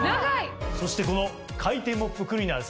そしてこの回転モップクリーナーはですね